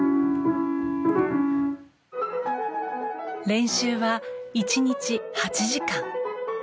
練習は１日８時間。